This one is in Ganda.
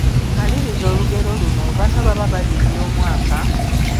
Maliriza olugero luno: Banno baba balya eby'omwaka, ….